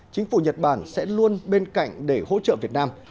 chính phủ nhật bản sẽ luôn bên cạnh để hỗ trợ việt nam